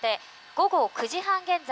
午後９時半現在